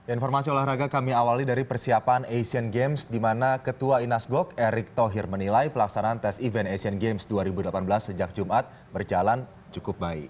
informasi olahraga kami awali dari persiapan asian games di mana ketua inas gok erick thohir menilai pelaksanaan tes event asian games dua ribu delapan belas sejak jumat berjalan cukup baik